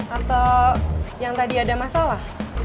atau yang tadi ada masalah